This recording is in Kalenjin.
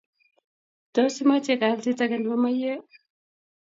Tos, imache galsit age nebo maywek?